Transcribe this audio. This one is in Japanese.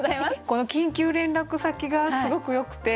この「緊急連絡先」がすごくよくて。